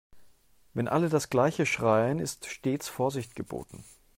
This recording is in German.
Wenn alle das gleiche schreien, ist stets Vorsicht geboten.